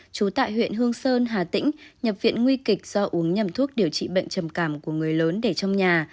trú tại huyện hương sơn hà tĩnh nhập viện nguy kịch do uống nhầm thuốc điều trị bệnh trầm cảm của người lớn để trong nhà